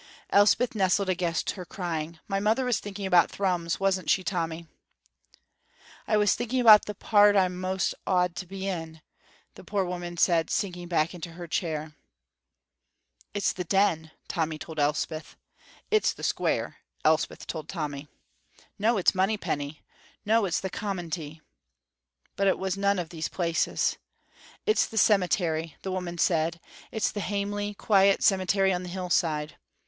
Elspeth nestled against her, crying, "My mother was thinking about Thrums, wasn't she, Tommy?" "I was thinking about the part o't I'm most awid to be in," the poor woman said, sinking back into her chair. "It's the Den," Tommy told Elspeth. "It's the Square," Elspeth told Tommy. "No, it's Monypenny." "No, it's the Commonty." But it was none of these places. "It's the cemetery," the woman said, "it's the hamely, quiet cemetery on the hillside.